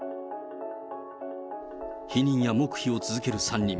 否認や黙秘を続ける３人。